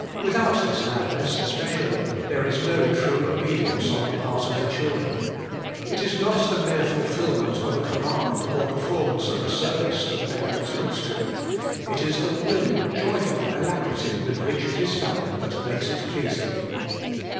Without this gladness, especially, there is no true obedience on the part of the children. It is not the mere fulfilment of a com mand, or performance of a service, that a parent looks to; it is the willing, joyful alacrity with which it is done that makes it pleasing.